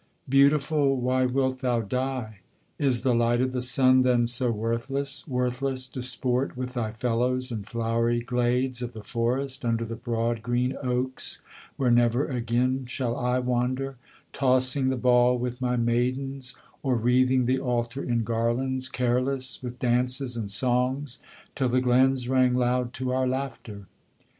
'Beautiful, why wilt thou die? Is the light of the sun, then, so worthless, Worthless to sport with thy fellows in flowery glades of the forest, Under the broad green oaks, where never again shall I wander, Tossing the ball with my maidens, or wreathing the altar in garlands, Careless, with dances and songs, till the glens rang loud to our laughter.